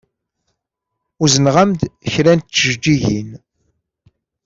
Uzneɣ-am-d kra n tjeǧǧigin.